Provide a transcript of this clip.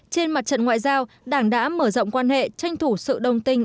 trên mặt trận ngoại giao đảng đã mở rộng quan hệ tranh thủ sự đồng tình